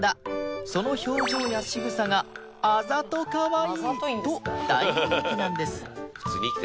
その表情や仕草があざとかわいいと大人気なんです